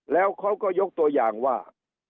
แล้วเขาก็ยกตัวอย่างว่า